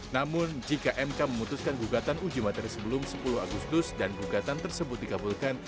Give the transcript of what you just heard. namun jika mk memutuskan gugatan uji materi sebelum sepuluh agustus dan gugatan tersebut dikabulkan